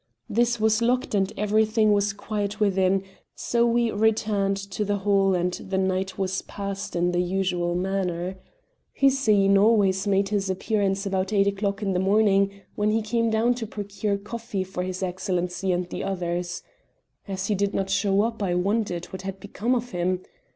This was locked and everything was quiet within, so we returned to the hall, and the night was passed in the usual manner. Hussein always made his appearance about eight o'clock in the morning, when he came down to procure coffee for his Excellency and the others. As he did not show up I wondered what had become of him.